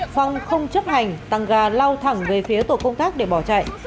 phong không chấp hành tăng ga lao thẳng về phía tổ công tác để bỏ chạy